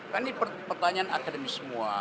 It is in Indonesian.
kan ini pertanyaan akademis semua